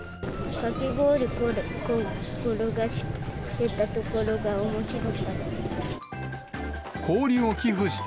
かき氷を転がしていたところがおもしろかった。